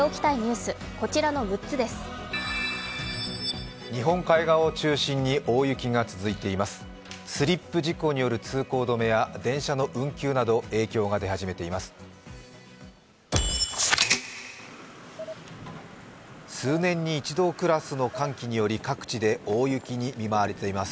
スリップ事故による通行止めや電車の運休など影響が出始めています。